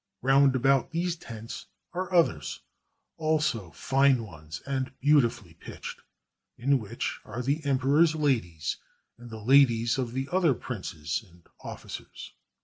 Roundabout these tents are others, also fine ones and beautifully pitched, in which are the emperor's ladies and the ladies of the other princes and officers.